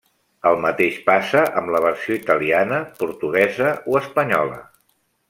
El mateix passa amb la versió italiana, portuguesa o espanyola.